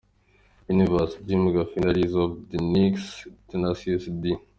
Universe -- Jim Gaffigan Rize Of The Fenix -- Tenacious D.